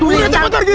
sudah cepat pergi